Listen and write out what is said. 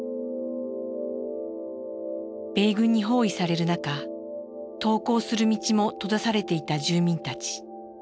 米軍に包囲される中投降する道も閉ざされていた住民たち。